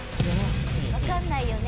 分かんないよね。